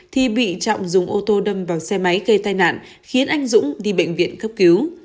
thì bị trọng dùng ô tô đâm vào xe máy gây tai nạn khiến anh dũng đi bệnh viện cấp cứu